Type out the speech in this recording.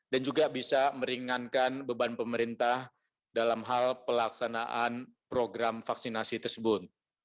dan juga bisa merengankan beban pemerintah dalam hal pelaksanaan program vaksinasi tersebut